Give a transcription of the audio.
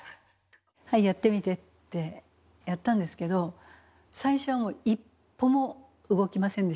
「はいやってみて」ってやったんですけど最初はもう一歩も動きませんでした体が。